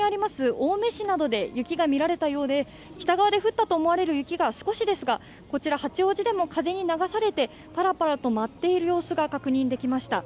青梅市などで雪が見られたようで、北側で降ったとみられる雪が少しですが、こちら八王子でも風に流されてパラパラと舞っている様子が確認できました。